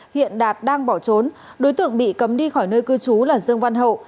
hiện đạt đang bỏ trốn đối tượng bị cấm đi khỏi nơi cư trú là dương văn hậu